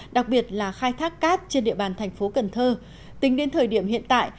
đặc biệt là khai thác cát trên địa bàn tp cn tính đến thời điểm hiện tại